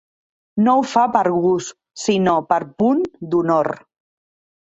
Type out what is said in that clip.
No ho fa per gust sinó per punt d'honor.